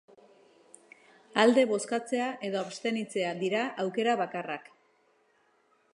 Alde bozkatzea edo abstenitzea dira aukera bakarrak.